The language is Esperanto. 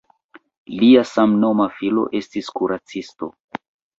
Lia samnoma filo estis kuracisto.